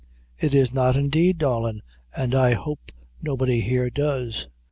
"It is not, indeed, darlin'; an' I hope nobody here does."